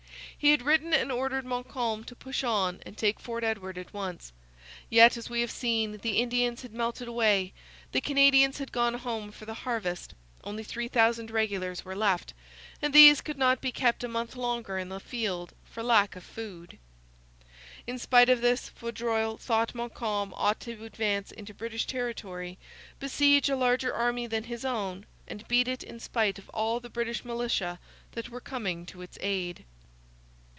He had written and ordered Montcalm to push on and take Fort Edward at once. Yet, as we have seen, the Indians had melted away, the Canadians had gone home for the harvest, only 3,000 regulars were left, and these could not be kept a month longer in the field for lack of food. In spite of this, Vaudreuil thought Montcalm ought to advance into British territory, besiege a larger army than his own, and beat it in spite of all the British militia that were coming to its aid.